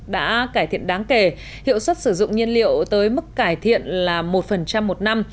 đã cải thiện đáng kể hiệu suất sử dụng nhiên liệu tới mức cải thiện là một một năm